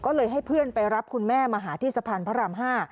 ก็เลยให้เพื่อนไปรับคุณแม่มาหาที่สะพานพระราม๕